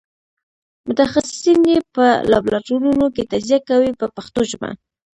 متخصصین یې په لابراتوارونو کې تجزیه کوي په پښتو ژبه.